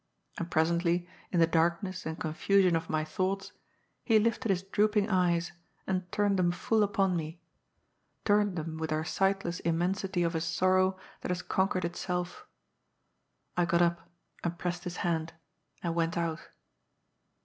And presently, in the darkness and confusion of my thoughts, he lifted his drooping eyes and turned them full upon me — turned them 86 CK)D'S FOOL. with their sightless immensity of a sorrow that has con quered itself. I got up, and pressed his hand, and went out.